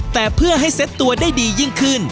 แต่เพื่อให้เซ็ตตัวได้ดียิ่งขึ้น